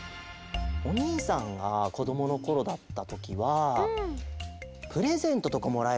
お兄さんがこどものころだったときはプレゼントとかもらえるときうれしいな。